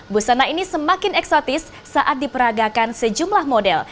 busana ini semakin eksotis saat diperagakan sejumlah model